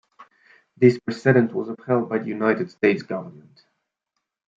This precedent was upheld by the United States government.